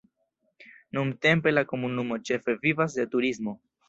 Nuntempe la komunumo ĉefe vivas de turismo.